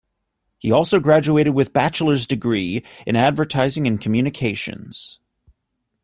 He also graduated with Bachelor's degree in Advertising and Communications.